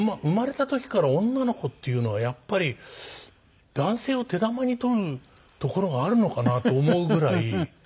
生まれた時から女の子っていうのはやっぱり男性を手玉に取るところがあるのかなと思うぐらい。